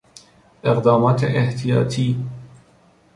اقدامات احتیاطی